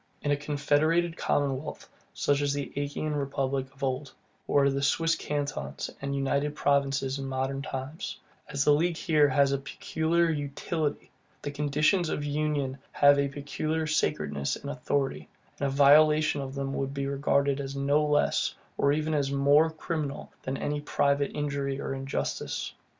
In a confederated commonwealth, such as the Achaean republic of old, or the Swiss Cantons and United Provinces in modern times; as the league has here a peculiar UTILITY, the conditions of union have a peculiar sacredness and authority, and a violation of them would be regarded as no less, or even as more criminal, than any private injury or injustice.